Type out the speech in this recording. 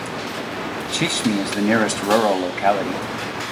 Chishmy is the nearest rural locality.